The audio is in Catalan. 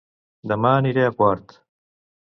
Dema aniré a Quart